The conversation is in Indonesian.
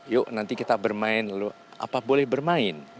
yuk nanti kita bermain apa boleh bermain